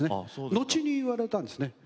後に言われたんですね